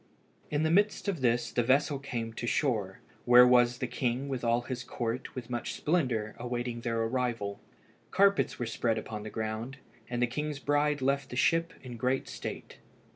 In the midst of this the vessel came to shore, where was the king with all his court with much splendour awaiting their arrival. Carpets were spread upon the ground, and the king's bride left the ship in great state.